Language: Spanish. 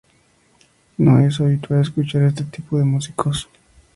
no es habitual escuchar a este tipo de músicos